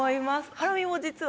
ハラミも実は。